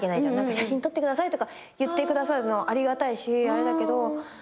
「写真撮ってください」とか言ってくださるのありがたいしあれだけど彼も気ぃ使うし。